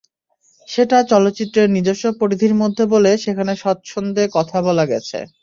সেটা চলচ্চিত্রের নিজস্ব পরিধির মধ্যে বলে সেখানে স্বচ্ছন্দে কথা বলা গেছে।